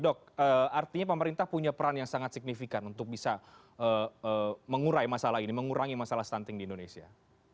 dok artinya pemerintah punya peran yang sangat signifikan untuk bisa mengurai masalah ini mengurangi masalah stunting di indonesia